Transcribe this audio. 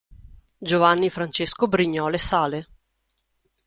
Giovanni Francesco Brignole Sale